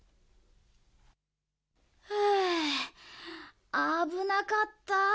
ハァあぶなかった。